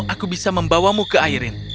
aku bisa membawamu ke airin